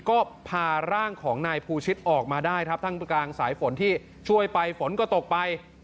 ก็พาร่างของนายภูชิตออกมาได้ครับทั้งกลางสายฝนที่ช่วยไปฝนก็ตกไป